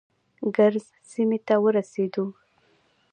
کرز سیمې ته ورسېدو.